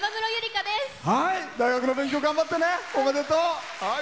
大学の勉強頑張ってね。